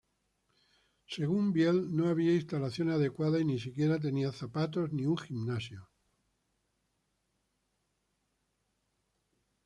Según Biel, no había instalaciones adecuadas y ni siquiera tenía zapatos ni un gimnasio.